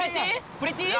プリティー？